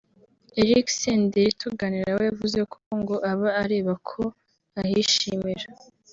Eric Senderi tuganira we yavuze ko ngo aba areba ko ahishimira